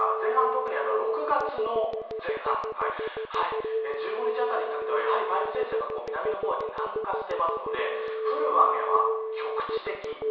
特に６月の前半１５日あたりにかけては梅雨前線が南の方に南下しているので降る雨は局地的。